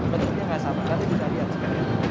bentuknya nggak sama tapi bisa lihat sekarang